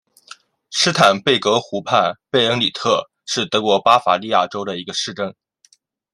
施坦贝格湖畔贝恩里特是德国巴伐利亚州的一个市镇。